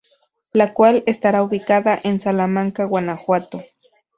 La cual estará ubicada en Salamanca, Guanajuato.